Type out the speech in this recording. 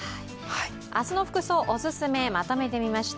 明日の服装オススメまとめてみました。